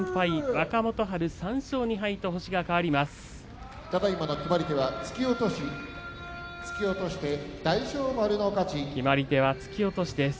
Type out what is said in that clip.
若元春３勝２敗と星が変わります。